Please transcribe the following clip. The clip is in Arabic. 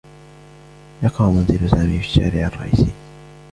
يقع منزل سامي في الشارع الرئيسي.